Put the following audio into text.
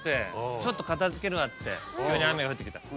「ちょっと片付けるわ」っつって急に雨が降ってきた。